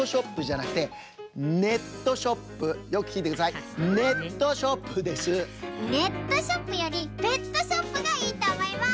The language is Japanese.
ネットショップよりペットショップがいいとおもいます！